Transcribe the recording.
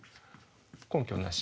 根拠なし。